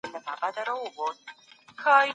ټکنالوژي د ژبو په برخه کي زموږ سترګې روښانه کړې.